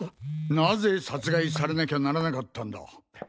なぜ殺害されなきゃならなかったんだ。